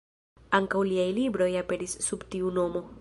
Ankaŭ liaj libroj aperis sub tiu nomo.